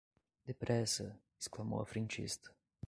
Depressa! Exclamou a frentista